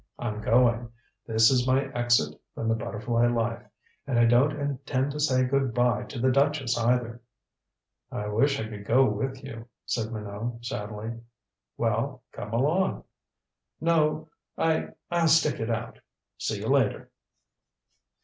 I'm going. This is my exit from the butterfly life. And I don't intend to say good by to the duchess, either." "I wish I could go with you," said Minot sadly. "Well come along " "No. I I'll stick it out. See you later."